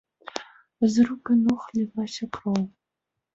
З рук і ног лілася кроў.